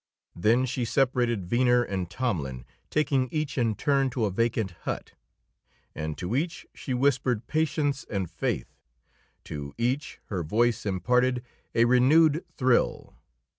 Then she separated Venner and Tomlin, taking each in turn to a vacant hut. And to each she whispered patience and faith; to each her voice imparted a renewed thrill.